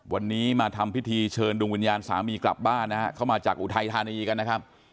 วันนี้มาทำพิธีเชิญดวงวิญญาณสามีกลับบ้านนะฮะเข้ามาจากอุทัยธานีกันนะครับ